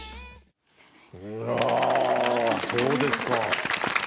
いやそうですか。